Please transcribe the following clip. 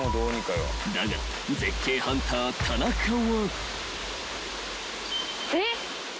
［だが絶景ハンター田中は］えっ？